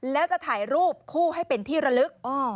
แล้วจะถ่ายรูปคู่ให้เป็นที่ระลึก